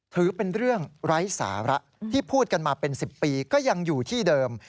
ถือเป็นเรื่องไร้สาระที่พูดกันมาเป็น๑๐ปีก็ยังอยู่ที่เดิม